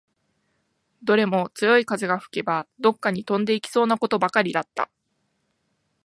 どれも強い風が吹けば、どっかに飛んでいきそうなことばかりだった